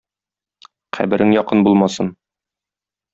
Каберең якын булмасын.